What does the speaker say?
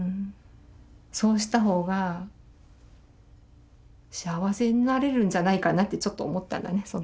そうした方が幸せになれるんじゃないかなってちょっと思ったんだね